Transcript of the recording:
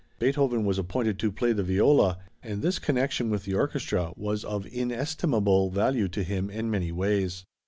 Beethoven was appointed to play the viola, and this connection with the orchestra was of inestimable value to him in many ways.